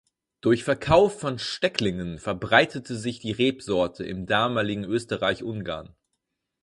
Durch Verkauf von Stecklingen verbreitete sich die Rebsorte im damaligen Österreich-Ungarn.